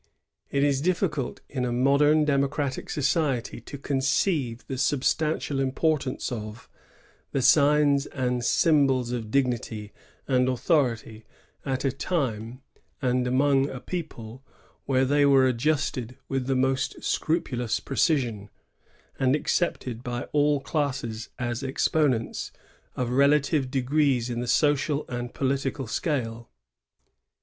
It is difficult in a modem democratic society to con ceive the substantial importance of, the signs and symbols of dig^ty and authority at a time and among a people where they were adjusted with tiie most scrupulous precision, * and accepted by all classes as exponents of relative degrees in the social and political scale.